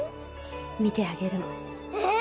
診てあげるの。ええーっ！